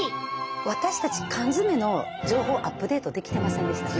私たち缶詰の情報をアップデートできてませんでしたね。